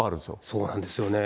そうなんですよね。